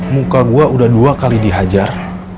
muka gue udah dua kali dihajar